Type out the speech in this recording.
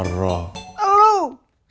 segitu aja minta tolongnya